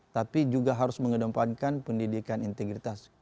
tapi juga harus mengedepankan pendidikan integritas